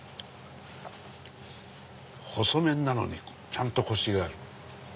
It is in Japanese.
細麺なのにちゃんとコシがある。